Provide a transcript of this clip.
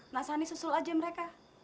nah sandi susul aja mereka